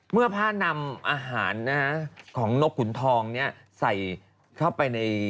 เมื่อผ้านำอาหารของนกขุนทองเนี่ยใส่เข้าไปใน